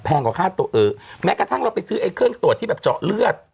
กว่าค่าตัวเออแม้กระทั่งเราไปซื้อไอ้เครื่องตรวจที่แบบเจาะเลือด